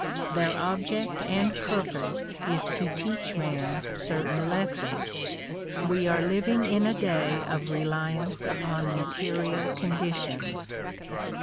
Their object and purpose is to teach man certain lessons. We are living in a day of reliance upon material conditions.